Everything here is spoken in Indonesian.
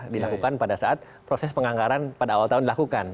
dilakukan pada saat proses penganggaran pada awal tahun dilakukan